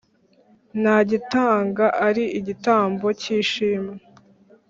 Nagitanga ari igitambo cy ‘ishimwe.